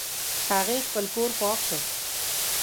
هغې خپل کور پاک کړ